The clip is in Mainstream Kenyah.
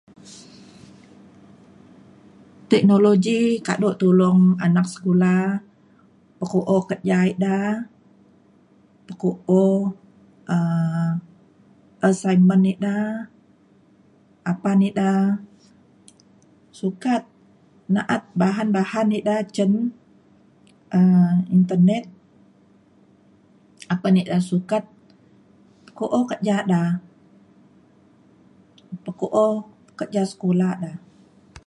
teknologi kado tulong anak sekula peku'o kerja ida peku'o um assignment ida apan ida sukat na'at bahan bahan ida cin um internet apan ida sukat ko'o kerja da peku'o kerja sekula da